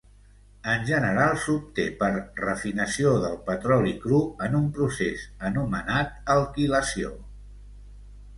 En general s'obté per refinació del petroli cru en un procés anomenat alquilació.